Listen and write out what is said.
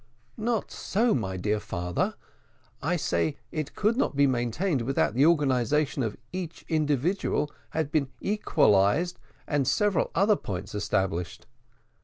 "Not so, my dear father; I say it could not be maintained without the organisation of each individual had been equalised and several other points established.